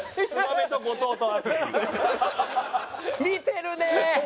見てるね！